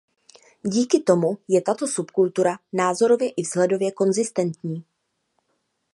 Díky tomu je tato subkultura názorově i vzhledově konzistentní.